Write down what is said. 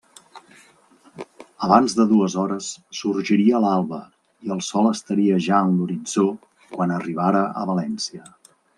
Abans de dues hores sorgiria l'alba i el sol estaria ja en l'horitzó quan arribara a València.